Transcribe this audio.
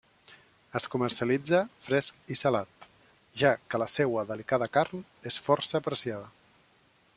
Es comercialitza fresc i salat, ja que la seua delicada carn és força apreciada.